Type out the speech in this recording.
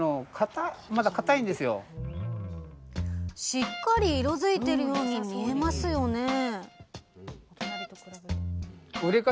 しっかり色づいてるように見えますよね？へ。